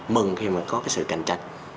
mừng khi mà có cái sự cạnh tranh